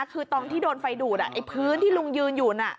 คือตอนที่โดนไฟดูดไอ้พื้นที่ลุงยืนอยู่น่ะ